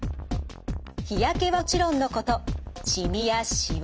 日焼けはもちろんのことしみやしわ